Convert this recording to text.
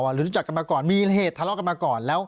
รู้จักกันมาก่อนมีเหตุทะเลาะกันมาก่อน